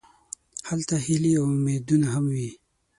هلته هیلې او امیدونه هم وي.